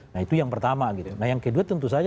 nah itu yang pertama gitu nah yang kedua tentu saja